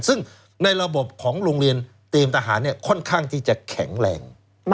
ซึ่งในระบบของโรงเรียนเตรียมทหารค่อนข้างที่จะแข็งแรง